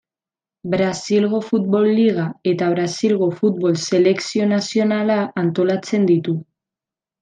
Brasilgo Futbol Liga eta Brasilgo futbol selekzio nazionala antolatzen ditu.